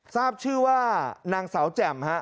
ทราบชื่อว่านางสาวแจ่มฮะ